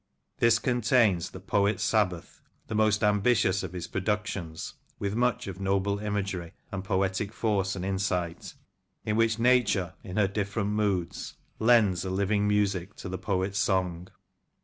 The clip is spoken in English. This contains "The Poet's Sabbath," the most ambitious of his productions, with much of noble imagery and poetic force and insight, in which Nature, in her different moods, Lends A living masic to the poet's song."